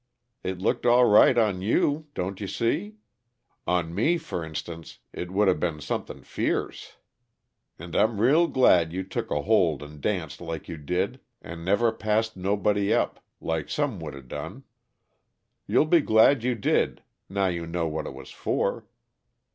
It looked all right on you, don't you see? On me, for instance, it woulda been something fierce. And I'm real glad you took a hold and danced like you did, and never passed nobody up, like some woulda done. You'll be glad you did, now you know what it was for.